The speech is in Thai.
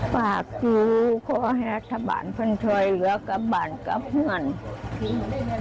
ป้ากนะคะว่าจะให้รัฐบาลช่วยแล้วกับพวกครูมาเยี่ยม